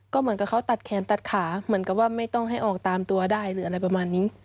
ก็เหมือนกับเขาตัดแขนตัดขาเหมือนกับว่าไม่ต้องให้ออกตามตัวได้หรืออะไรประมาณนี้